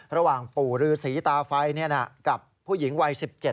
ระหว่างปู่ฤษีตาไฟกับผู้หญิงวัย๑๗